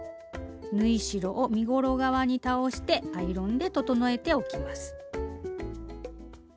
縫い代を身ごろ側に倒してアイロンで整えておきます。